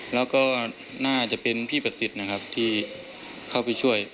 แล้วก็น่าจะเป็นพี่ประสิทธิ์นะครับที่เข้าไปช่วย